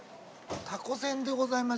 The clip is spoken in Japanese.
タコせんでございます。